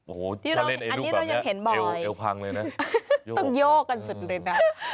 โอ้โหถ้าเล่นไอลูกแบบนี้เอวพังเลยนะโยกกันสุดเลยนะอันนี้เรายังเห็นบ่อย